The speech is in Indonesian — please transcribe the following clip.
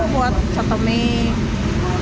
buat satu mie